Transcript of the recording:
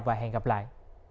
và sẽ đặt hàng trở lại